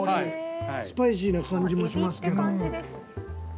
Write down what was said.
スパイシーな感じもしますけど。